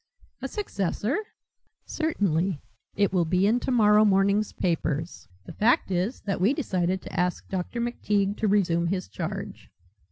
"A successor?" "Certainly. It will be in tomorrow morning's papers. The fact is that we decided to ask Dr. McTeague to resume his charge."